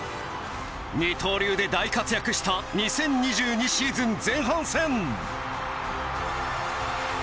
二刀流で大活躍した２０２２シーズン前半戦。